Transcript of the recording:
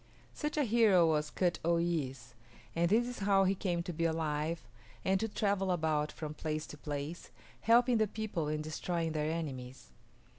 Such a hero was K[)u]t o y[)i]s´, and this is how he came to be alive and to travel about from place to place, helping the people and destroying their enemies.